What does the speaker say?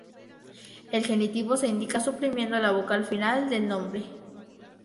El genitivo se indica suprimiendo la vocal final del nombre.